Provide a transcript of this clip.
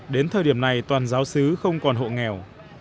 đến thời điểm này toàn giáo sứ không còn hộ nghèo